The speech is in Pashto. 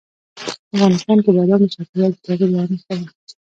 افغانستان کې بادام د چاپېریال د تغیر یوه نښه ده.